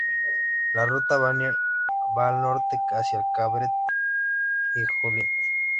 La ruta Vanier va al norte hacia Crabtree y Joliette.